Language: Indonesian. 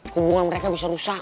hubungan mereka bisa rusak